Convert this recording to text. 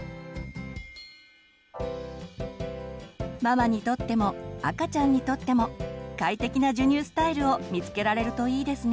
ママにとっても赤ちゃんにとっても快適な授乳スタイルを見つけられるといいですね。